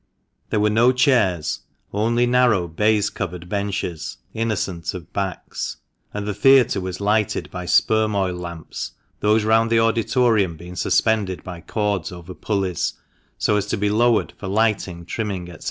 There were no chairs — only narrow, baize covered benches, innocent of backs. And the theatre was lighted by sperm oil lamps, those round the auditorium being suspended by cords over pulleys, so as to be lowered for lighting, trimming, &c.